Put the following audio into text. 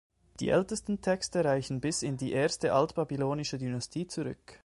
Die ältesten Texte reichen bis in die erste altbabylonische Dynastie zurück.